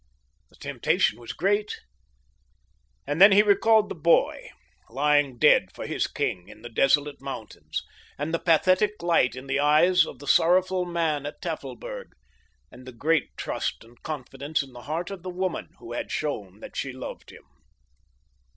The temptation was great, and then he recalled the boy, lying dead for his king in the desolate mountains, and the pathetic light in the eyes of the sorrowful man at Tafelberg, and the great trust and confidence in the heart of the woman who had shown that she loved him.